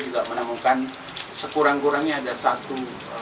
juga menemukan sekurang kurangnya ada satu